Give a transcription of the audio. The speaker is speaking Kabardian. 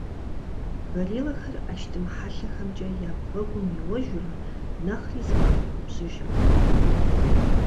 Гориллэхэр ӏэштӏым хьэлъэхэмкӏэ я бгъэгум иуэжурэ, нэхъри зыкъагъэгубжьыжырт.